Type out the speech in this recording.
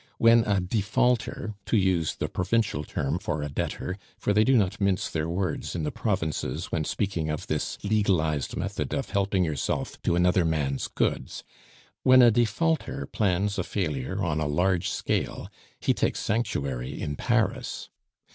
When a defaulter to use the provincial term for a debtor, for they do not mince their words in the provinces when speaking of this legalized method of helping yourself to another man's goods when a defaulter plans a failure on a large scale, he takes sanctuary in Paris.